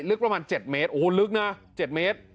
ลึกประมาณ๗เมตรโอ้โหลึกนะ๗เมตร